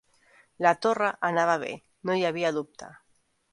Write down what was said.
La torra anava bé, no hi havia dubte.